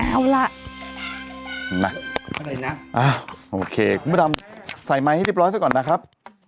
อะไรนะอ้าวโอเคกูมาทำใส่ไม้ให้เรียบร้อยไปก่อนนะครับ